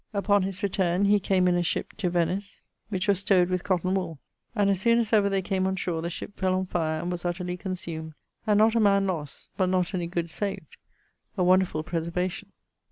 Upon his returne, he came in ship to Venice, which was stowed with cotton wooll, and as soon as ever they came on shore the ship fell on fire, and was utterly consumed, and not a man lost, but not any goods saved a wonderfull preservation.